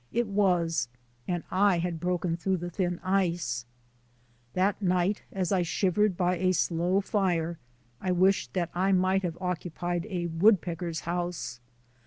It was, and I had broken through the thin ice. That night as I shivered by a slow fire I wished that I might have occupied a woodpecker's house.